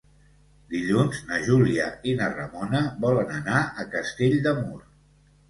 Dilluns na Júlia i na Ramona volen anar a Castell de Mur.